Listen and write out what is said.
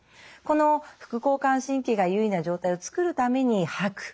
この副交感神経が優位な状態を作るために吐く。